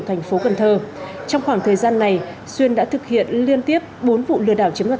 thành phố cần thơ trong khoảng thời gian này xuyên đã thực hiện liên tiếp bốn vụ lừa đảo chiếm đoạt